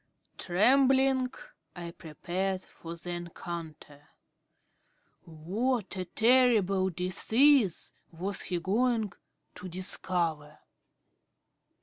Trembling, I prepared for the encounter. What terrible disease was he going to discover?